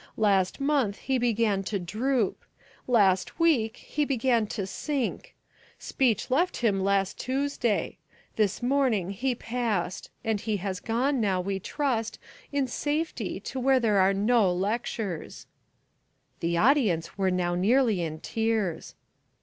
Last month he began to droop. Last week he began to sink. Speech left him last Tuesday. This morning he passed, and he has gone now, we trust, in safety to where there are no lectures." The audience were now nearly in tears.